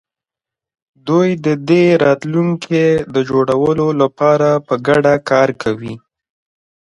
دوی د دې راتلونکي د جوړولو لپاره په ګډه کار کوي.